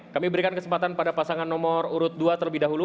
kami berikan kesempatan pada pasangan nomor urut dua terlebih dahulu